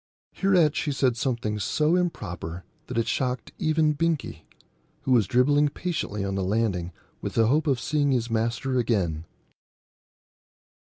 Hereat she said something so improper that it shocked even Binkie, who was dribbling patiently on the landing with the hope of seeing his master again.